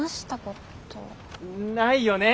ないよね。